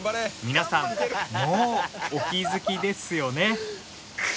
皆さんもうお気づきですよね。